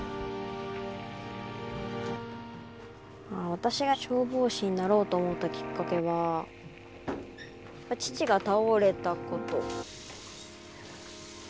私が消防士になろうと思ったきっかけは父が倒れたこと。